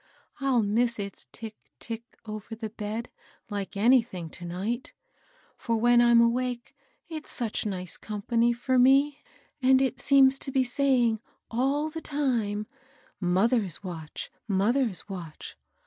I'll miss its tick, tick, over the bed, like anything to night I For when I'm awake it's such nice company for me, and it S42 MABEL BOSS. ieems to be saying, all the time, ^ Mother's watch I mother'^ watch